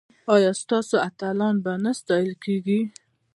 ایا ستاسو اتلان به نه ستایل کیږي؟